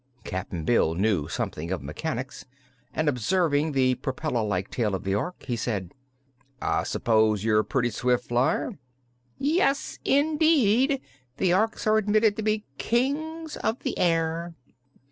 Cap'n Bill knew something of mechanics, and observing the propeller like tail of the Ork he said: "I s'pose you're a pretty swift flyer?" "Yes, indeed; the Orks are admitted to be Kings of the Air."